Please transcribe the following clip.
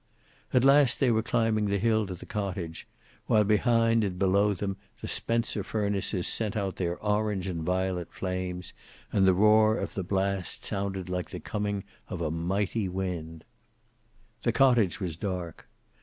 At last they were climbing the hill to the cottage, while behind and below them the Spencer furnaces sent out their orange and violet flames, and the roar of the blast sounded like the coming of a mighty wind. The cottage was dark.